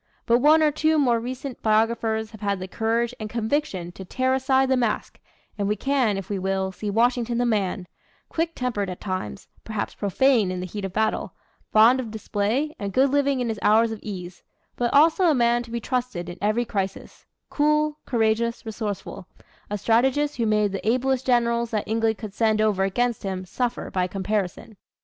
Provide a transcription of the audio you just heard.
But one or two more recent biographers have had the courage and conviction to tear aside the mask, and we can, if we will, see Washington the man quick tempered at times, perhaps profane in the heat of battle, fond of display and good living in his hours of ease but also a man to be trusted in every crisis, cool, courageous, resourceful a strategist who made the ablest generals that England could send over against him, suffer by comparison.